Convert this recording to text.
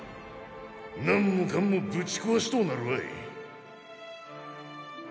なんもかんもぶち壊しとうなるわい。